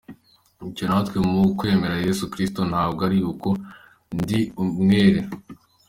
Icya ntwaye mu kwemera Yesu Kristo ntabwo ari uko ndi umwere.